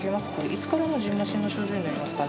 いつからじんましんの症状になりますかね？